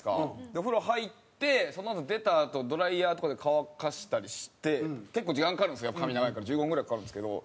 お風呂入ってそのあと出たあとドライヤーとかで乾かしたりして結構時間かかるんですよやっぱ髪長いから１５分ぐらいかかるんですけど。